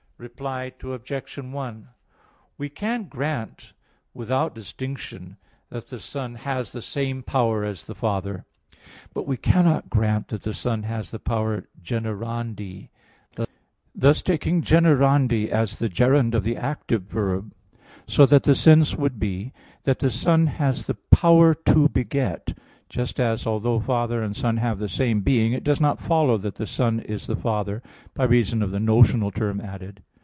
Reply Obj. 1: We can grant, without distinction, that the Son has the same power as the Father; but we cannot grant that the Son has the power "generandi" [of begetting] thus taking "generandi" as the gerund of the active verb, so that the sense would be that the Son has the "power to beget." Just as, although Father and Son have the same being, it does not follow that the Son is the Father, by reason of the notional term added.